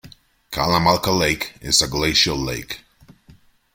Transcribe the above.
Kalamalka Lake is a glacial lake.